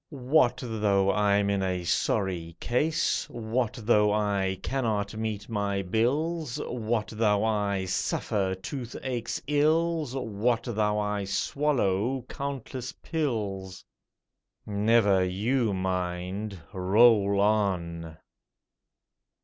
What though I'm in a sorry case? What though I cannot meet my bills? What though I suffer toothache's ills? What though I swallow countless pills? Never you mind! Roll on!